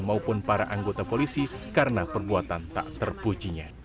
maupun para anggota polisi karena perbuatan tak terpujinya